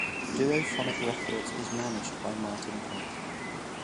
Duophonic Records is managed by Martin Pike.